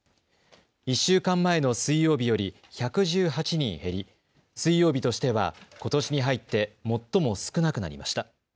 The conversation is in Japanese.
１週間前の水曜日より１１８人減り、水曜日としては、ことしに入って最も少なくなりました。